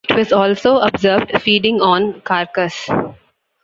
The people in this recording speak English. It was also observed feeding on carcass.